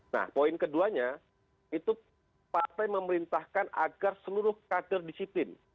nah poin keduanya itu partai memerintahkan agar seluruh kader disiplin